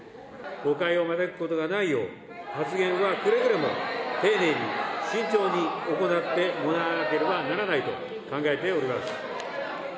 誤解を招くことがないよう、発言はくれぐれも丁寧に、慎重に行ってもらわなければならないと考えております。